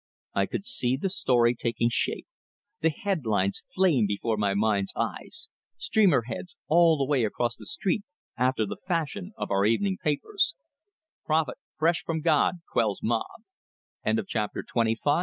I could see the story taking shape; the headlines flamed before my mind's eye streamer heads, all the way across the sheet, after the fashion of our evening papers: PROPHET FRESH FROM GOD QUELLS MOB XXVI I came to a sudden decision in this crisis.